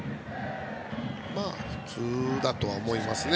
まあ、普通だとは思います。